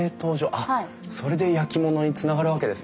あっそれで焼き物につながるわけですね。